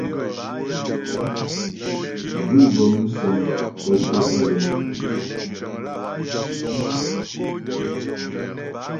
Gǔ' bə́ músəŋ bə́ cwə́ pə́ ghɛ.